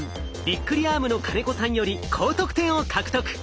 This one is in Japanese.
びっくりアームの金子さんより高得点を獲得。